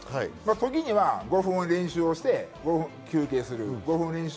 時には５分練習して、５分休憩する。